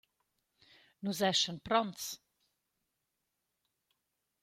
«Nus eschan pronts.